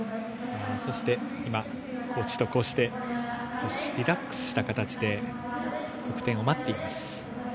コーチとこうしてリラックスした形で得点を待っています。